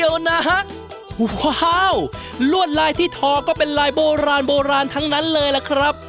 ว้าวล้วนไลน์ที่ทอก็เป็นไลน์โบราณทั้งนั้นเลยล่ะครับ